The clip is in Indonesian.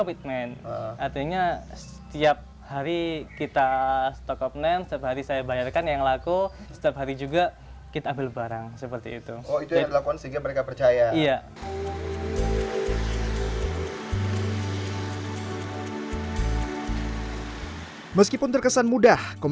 bantal leher juga ya